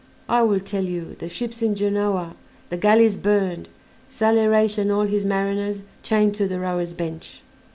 I will tell you: the ships in Genoa, the galleys burned, Saleh Reis and all his mariners chained to the rowers' bench."